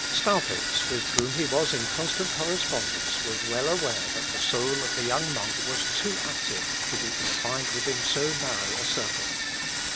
Staupitz, with whom he was in constant correspondence, was well aware that the soul of the young monk was too active to be confined within so narrow a circle.